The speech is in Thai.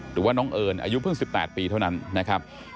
หรือว่าน้องเอิญอายุเพิ่ง๑๘ปีเท่านั้นนะครับ